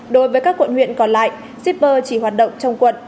đối với các quận huyện còn lại shipper chỉ hoạt động trong quận